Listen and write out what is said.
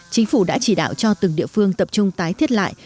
chính phủ đã chỉ đạo cho từng địa phương tập trung tái thiết lại